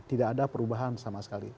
tidak ada perubahan sama sekali